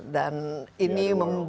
dan ini mem